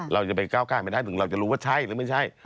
เราจะไปก้าวกายไม่ได้ถึงเราจะรู้ว่าใช่หรือไม่ใช่